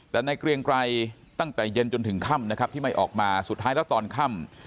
แต่ในเกรียงไกรตั้งแต่เย็นจนถึงค่ำนะครับที่ไม่ออกมาสุดท้ายแล้วตอนค่ำ